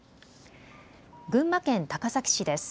群馬県高崎市です。